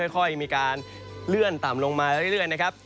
ค่อยมีการเลื่อนต่ำลงมาเรื่อยนะครับ